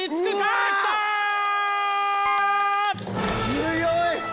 強い！